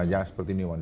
ya seperti newmont